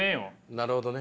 なるほどね。